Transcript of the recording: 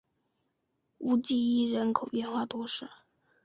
乌济伊人口变化图示